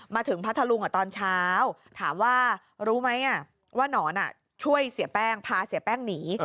พัทธลุงตอนเช้าถามว่ารู้ไหมว่านอนช่วยเสียแป้งพาเสียแป้งหนี